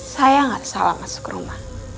saya gak salah masuk rumah